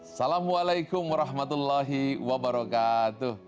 assalamualaikum warahmatullahi wabarakatuh